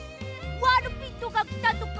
ワルピットがきたとか！